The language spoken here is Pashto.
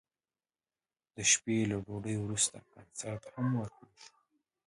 د شپې له ډوډۍ وروسته کنسرت هم ورکړل شو.